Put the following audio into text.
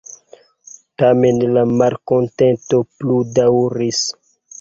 Tamen la malkontento plu-daŭris.